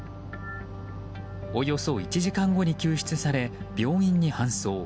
およそ１時間後に救出され病院に搬送。